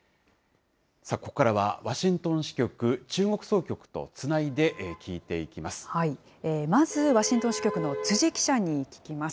ここからはワシントン支局、中国総局とつないで聞いていきます。